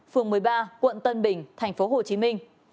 phường một mươi ba quận tân bình thành phố hồ chí minh